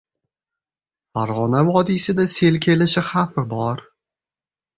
Farg‘ona vodiysida sel kelishi xavfi bor